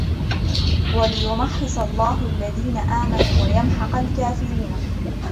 وليمحص الله الذين آمنوا ويمحق الكافرين